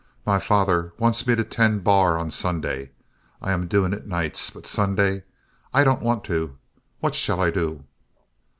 My father wants me to tend bar on Sunday. I am doing it nights, but Sunday I don't want to. What shall I do?"